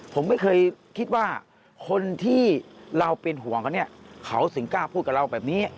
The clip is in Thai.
ผมไม่เคยคิดว่าคนที่เราเป็นห่วงเขาเนี่ยเขาถึงกล้าพูดกับเราแบบนี้